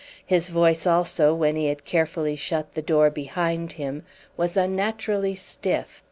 His voice also, when he had carefully shut the door behind him, was unnaturally stiff.